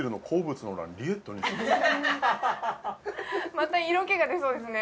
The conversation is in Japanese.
また色気が出そうですね